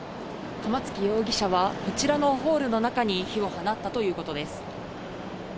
釜付容疑者は、こちらのホールの中に火を放ったということです。